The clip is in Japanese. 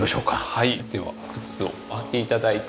はいでは靴をお履き頂いて。